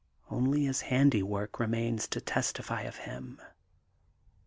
Only his handiwork remains to testify of him.